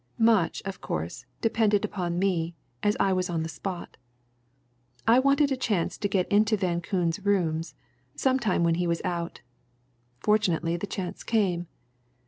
Much, of course, depended upon me, as I was on the spot. I wanted a chance to get into Van Koon's rooms, some time when he was out. Fortunately the chance came.